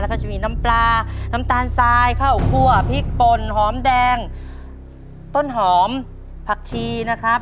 แล้วก็จะมีน้ำปลาน้ำตาลทรายข้าวคั่วพริกป่นหอมแดงต้นหอมผักชีนะครับ